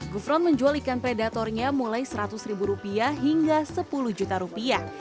gufron menjual ikan predatornya mulai seratus ribu rupiah hingga sepuluh juta rupiah